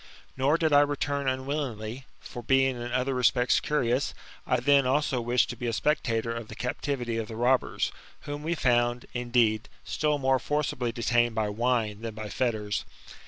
Nor did I return unwillingly; for, being in other respects curious, I then also wished to be a spectator of the captivity of the robberS) whom we found, indeed, still more forcibly detained by wine than by fetters.